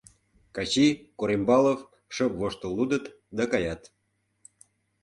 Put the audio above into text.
Качи, Корембалов шып воштыл лудыт да каят.